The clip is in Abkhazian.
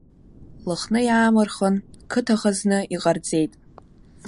Лыхны иаамырхын, қыҭа хазны иҟарҵеит.